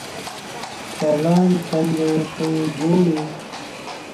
The music is primarily progressive rock-themed.